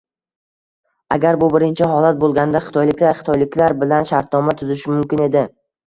Agar bu birinchi holat bo'lganida, xitoyliklar xitoyliklar bilan shartnoma tuzishi mumkin edi